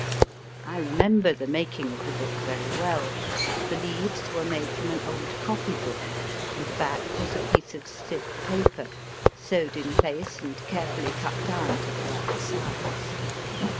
I remember the making of the book very well ; the leaves were made from an old copybook, and the back was a piece of stiff paper, sewed in place and carefully cut down to \ V \. r^ the right size.